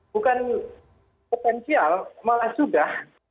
bukan potensial malah sudah